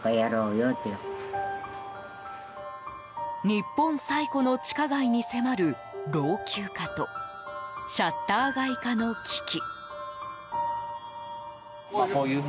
日本最古の地下街に迫る老朽化とシャッター街化の危機。